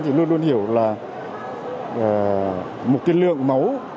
thì luôn luôn hiểu là một cái lượng máu